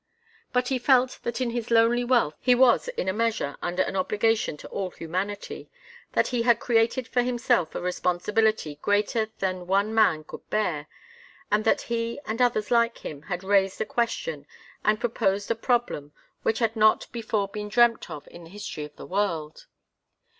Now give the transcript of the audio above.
But he felt that in his lonely wealth he was in a measure under an obligation to all humanity that he had created for himself a responsibility greater than one man could bear, and that he and others like him had raised a question, and proposed a problem which had not before been dreamt of in the history of the world.